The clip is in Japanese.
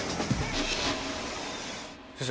先生